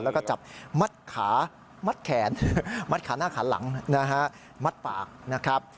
แล้วก็จับมัดขามัดแขนมัดขาหน้าขาหลังนะฮะมัดปากนะครับ